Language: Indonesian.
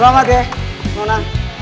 selamat ya mona